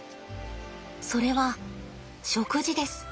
それは食事です。